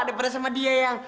daripada sama dia yang